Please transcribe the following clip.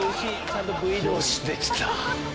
よしできた